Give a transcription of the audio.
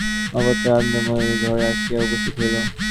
বিনয় একেবারে যেন দৌড়িয়া অন্তঃপুরে আনন্দময়ীর ঘরে আসিয়া উপস্থিত হইল।